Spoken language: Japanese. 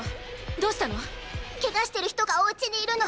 どうしたの⁉ケガしてるひとがおうちにいるの！